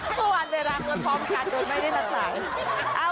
โดนพร้อมกันโดนไม่ได้รักษา